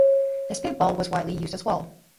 The spitball was widely used as well.